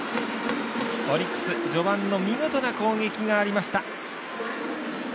オリックス、序盤の見事な攻撃がありました。